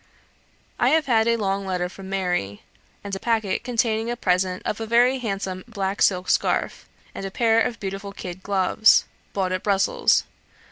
I have had a long letter from Mary, and a packet containing a present of a very handsome black silk scarf, and a pair of beautiful kid gloves, bought at Brussels.